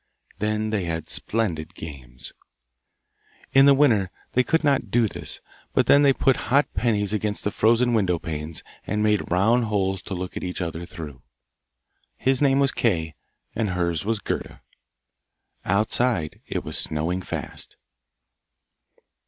Then they had splendid games. In the winter they could not do this, but then they put hot pennies against the frozen window panes, and made round holes to look at each other through. His name was Kay, and hers was Gerda. Outside it was snowing fast.